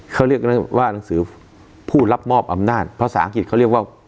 เขาเรียกว่าหนังสือผู้รับมอบอำนาจภาษาอังกฤษเขาเรียกว่า